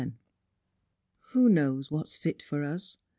•• Who knows what's fit for us